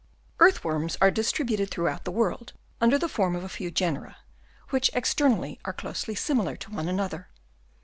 Earth worms are distributed throughout the world under the form of a few genera, which externally are closely similar to one another.